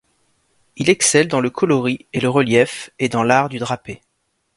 Il excelle dans le coloris et le relief, et dans l'art du drapé.